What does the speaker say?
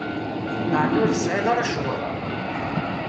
Ɛni ur tesɛiḍ ara ccɣel?